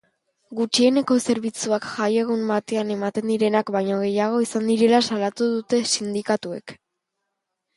Gutxieneko zerbitzuak jaiegun batean ematen direnak baino gehiago izan direla salatu dute sindikatuek.